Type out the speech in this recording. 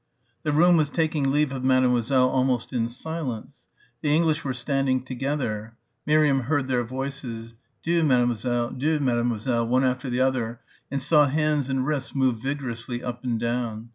The room was taking leave of Mademoiselle almost in silence. The English were standing together. Miriam heard their voices. "'Dieu, m'selle, 'dieu, m'selle," one after the other and saw hands and wrists move vigorously up and down.